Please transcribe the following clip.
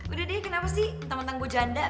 udah deh kenapa sih temen temen gue janda